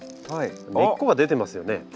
根っこが出てますよね。